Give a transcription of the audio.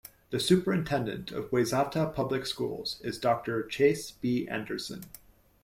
The superintendent of Wayzata Public Schools is Doctor Chace B. Anderson.